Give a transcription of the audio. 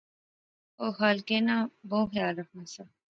او خالقے ناں بہوں خیال رکھنا سا